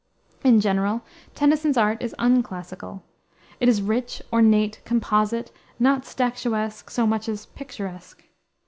In general, Tennyson's art is unclassical. It is rich, ornate, composite, not statuesque, so much as picturesque.